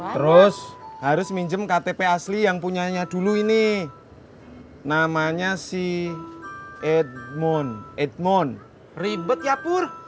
satu ratus tiga puluh terus harus minjem ktp asli yang punyanya dulu ini namanya si edmond edmond ribet ya pur